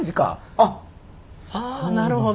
あなるほど。